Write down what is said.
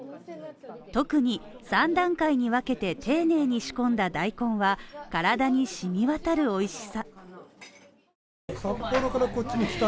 特に３段階に分けてていねいに仕込んだ大根は体に染み渡る美味しさ。